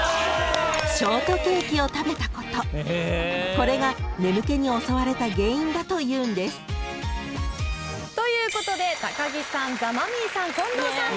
［これが眠気に襲われた原因だというんです］ということで木さんザ・マミィさん近藤さん